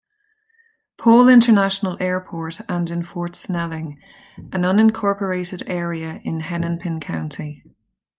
Paul International Airport and in Fort Snelling, an unincorporated area in Hennepin County.